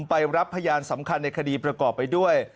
ไปรับพยานสำคัญในคดีประกอบไปด้วย